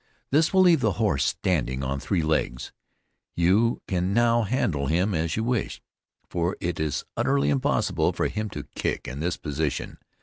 This will leave the horse standing on three legs; you can now handle him as you wish, for it is utterly impossible for him to kick in this position.